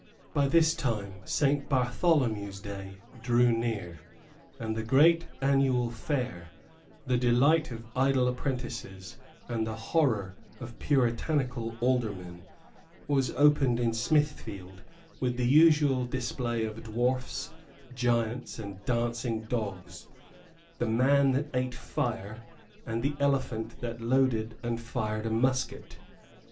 By this time Saint Bartholomew's day drew near; and the great annual fair, the delight of idle apprentices and the horror of Puritanical Aldermen, was opened in Smithfield with the usual display of dwarfs, giants, and dancing dogs, the man that ate fire, and the elephant that loaded and fired a musket.